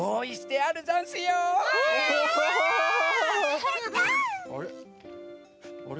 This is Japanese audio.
あれ？